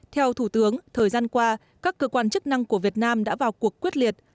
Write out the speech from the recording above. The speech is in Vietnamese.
theo thủ tướng thời gian qua các cơ quan chức năng của việt nam đã vào cuộc quyết liệt